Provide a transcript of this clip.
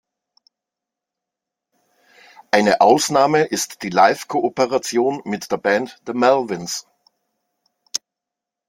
Eine Ausnahme ist die Live-Kooperation mit der Band "The Melvins".